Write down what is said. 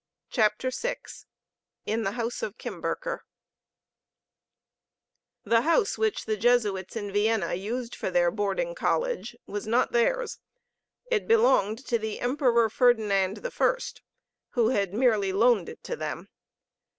CHAPTER VI IN THE HOUSE OF KIMBERKER The house which the Jesuits in Vienna used for their boarding college was not theirs. It belonged to the Emperor Ferdinand I, who had merely loaned it to them.